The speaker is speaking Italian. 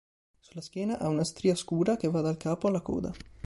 Sulla schiena ha una stria scura che va dal capo alla coda.